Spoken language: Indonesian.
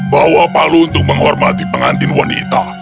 bawa palu untuk menghormati pengantin wanita